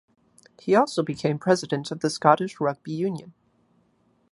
He also became President of the Scottish Rugby Union.